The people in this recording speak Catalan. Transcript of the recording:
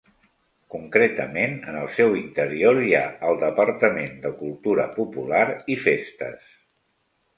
Concretament en el seu interior hi ha el departament de cultura popular i festes.